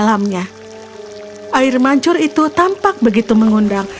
air mancur itu tampak begitu mengundang